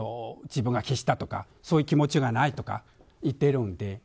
自分が消したとかそういう気持ちがないとか言ってるので。